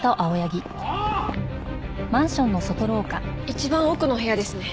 一番奥の部屋ですね。